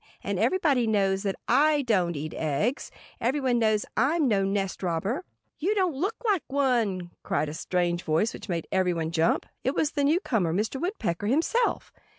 And everybody knows that I don't eat eggs. Everybody knows I'm no nest robber." "You don't look like one!" cried a strange voice which made everybody jump. It was the newcomer, Mr. Woodpecker, himself!